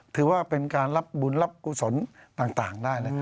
ถือว่าเป็นการรับบุญรับกุศลต่างได้นะครับ